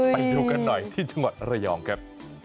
ไปดูกันหน่อยที่จังหวัดระยองครับ